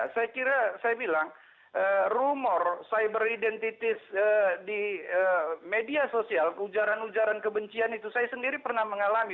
saya kira saya bilang rumor cyber identities di media sosial ujaran ujaran kebencian itu saya sendiri pernah mengalami